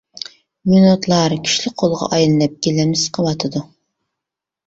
مىنۇتلار كۈچلۈك قولغا ئايلىنىپ گىلىمنى سىقىۋاتىدۇ.